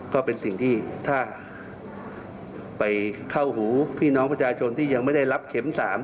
ก็เป็นสิ่งที่ถ้าไปเข้าหูพี่น้องประชาชนที่ยังไม่ได้รับเข็ม๓